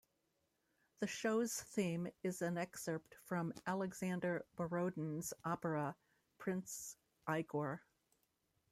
The show's theme is an excerpt from Alexander Borodin's opera "Prince Igor".